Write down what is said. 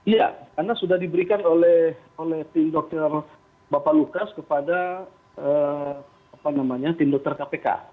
iya karena sudah diberikan oleh tim dokter bapak lukas kepada tim dokter kpk